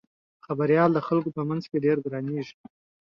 خبریال د خلکو په منځ کې ډېر ګرانیږي.